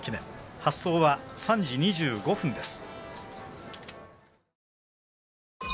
発走は３時２５分です。